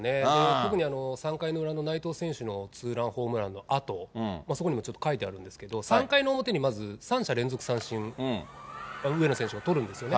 特に３回の裏の内藤選手のツーランホームランのあと、そこにもちょっと書いてあるんですけれども、３回の表にまず３者連続三振、上野選手が取るんですよね。